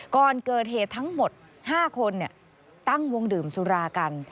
ก่อนเกิดเหตุทั้งหมด๕คนตั้งวงดื่มสุรากัน